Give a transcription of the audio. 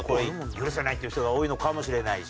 許せない！っていう人が多いのかもしれないし。